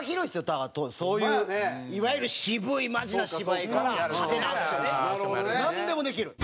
だからそういういわゆる渋いマジな芝居から派手なアクションからなんでもできる。